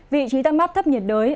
vị trí tăng mắp thấp nhận đới